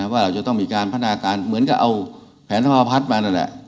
ว่าเราจะต้องมีการพัฒนาการเหมือนกับเอาแผนธรรมพัฒน์มานั่นแหละ